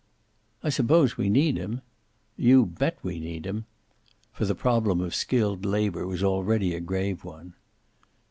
"I suppose we need him." "You bet we need him." For the problem of skilled labor was already a grave one.